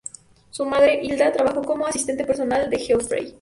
Su madre, Hilda, trabajó como asistente personal de Geoffrey.